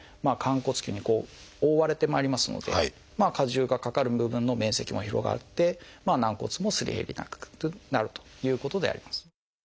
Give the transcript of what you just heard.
寛骨臼に覆われてまいりますので荷重がかかる部分の面積も広がって軟骨もすり減りがなくなるということであります。